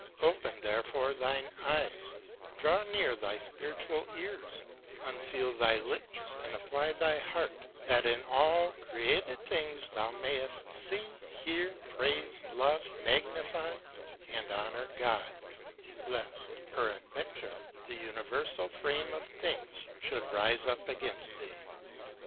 Open, therefore, thine eyes; draw near thy spiritual ears; un seal thy lips, and apply thy heart, that in all created things thou mayest see, hear, praise, love, magnify, and honor God, lest, per ad venture, the universal frame of things should rise up against thee.